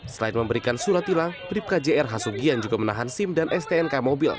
selain memberikan surat tilang brip kjrh sugian juga menahan sim dan stnk mobil